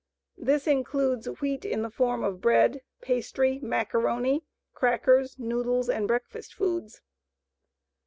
This includes wheat in the form of bread, pastry, macaroni, crackers, noodles, and breakfast foods.